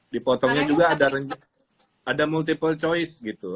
dipotongnya juga ada multiple choice gitu